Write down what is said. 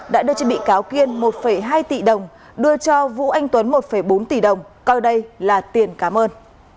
đã đưa cho bị cáo kiên một hai tỷ đồng đưa cho vũ anh tuấn một bốn tỷ đồng coi đây là tiền cảm ơn